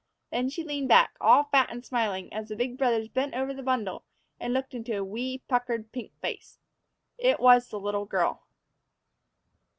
Then she leaned back, all fat and smiling, as the big brothers bent over the bundle and looked into a wee, puckered, pink face. It was the little girl.